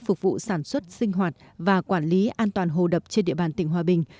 phục vụ sản xuất sinh hoạt và quản lý an toàn hồ đập trên địa bàn tỉnh hòa bình